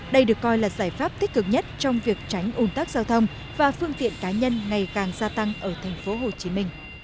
đây được coi là giải pháp tích cực nhất trong việc tránh ủn tắc giao thông và phương tiện cá nhân ngày càng gia tăng ở tp hcm